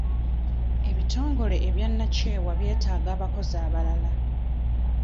Ebitongole eby'obwannakyewa byetaaga abakozi abalala.